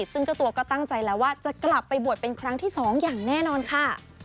ซึ่งเจ้าตัวก็ตั้งใจแล้วว่าจะกลับไปบวชเป็นครั้งที่๒อย่างแน่นอนค่ะ